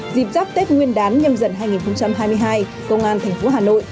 dịp dắp tết nguyên đán nhâm dần hai nghìn hai mươi hai công an tp hà nội